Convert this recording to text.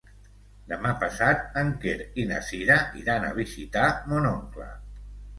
Demà passat en Quer i na Cira iran a visitar mon oncle.